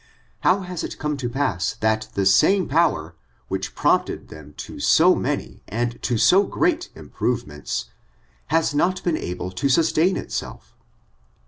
How has it come to pass that the same power which prompted them to so many, and to 9o great improvements, has not been able to sus* tain itself?